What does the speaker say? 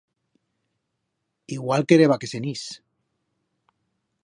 Igual quereba que se'n is.